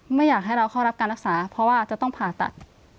ไม่อยากให้เราเข้ารับการรักษาเพราะว่าจะต้องผ่าตัด